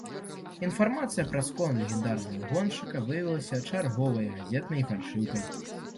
Інфармацыя пра скон легендарнага гоншчыка выявілася чарговай газетнай фальшыўкай.